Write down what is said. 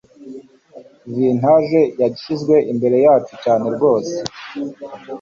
Vintage yashyizwe imbere yacu cyane rwose